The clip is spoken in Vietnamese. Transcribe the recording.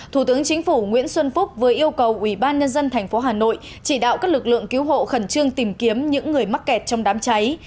thủ tướng chính phủ nguyễn xuân phúc vừa yêu cầu ủy ban nhân dân tp hà nội chỉ đạo các lực lượng cứu hộ khẩn trương tìm kiếm những người mắc kẹt trong đám cháy